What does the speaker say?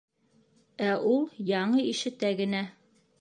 Ә ул яңы ишетә генә.